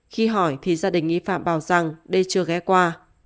khi hỏi thì gia đình nghi phạm bảo rằng đây chưa ghé qua